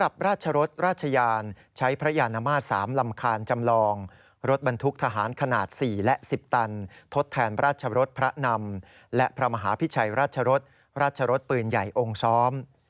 ราชรสราชรสปืนใหญ่องค์ซ้อม